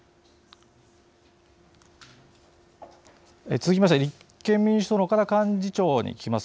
続きまして立憲民主党の岡田幹事長に聞きます。